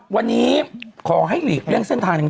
วันนี้ขอให้หลีกเรียงเส้นทาง